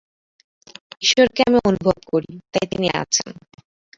ঈশ্বরকে আমি অনুভব করি, তাই তিনি আছেন।